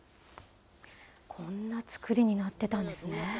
こんな作りになってたんですね。